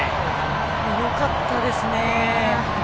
よかったですね。